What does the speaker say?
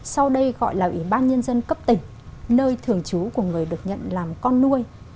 sau đây gọi là ủy ban nhân dân cấp tỉnh nơi thường trú của người được nhận làm con nuôi